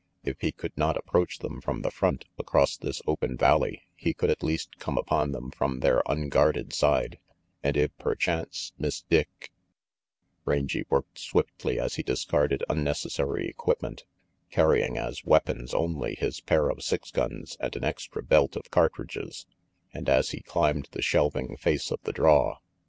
If he could not approach them from the front, across this open valley, he could at least come upon them from their unguarded side, and if, perchance, Miss Dick Rangy worked swiftly as he discarded unnecessary equipment carrying as weapons only his pair of six guns and an extra belt of cartridges and as he climbed the shelving face of the draw.